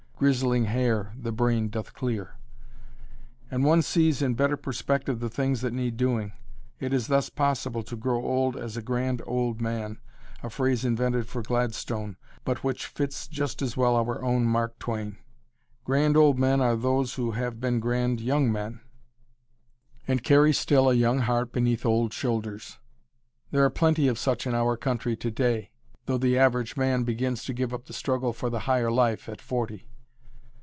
"Grizzling hair the brain doth clear" and one sees in better perspective the things that need doing. It is thus possible to grow old as a "grand old man," a phrase invented for Gladstone, but which fits just as well our own Mark Twain. Grand old men are those who have been grand young men, and carry still a young heart beneath old shoulders. There are plenty of such in our country to day, though the average man begins to give up the struggle for the higher life at forty.